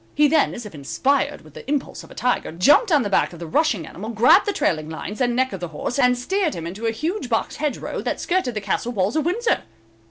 He then, as if inspired with the impulse of a tiger, jumped on the back of the rushing animal, grabbed the trailing lines, and neck of the horse, and steered him into a huge box hedge row that skirted the castle walls of Windsor.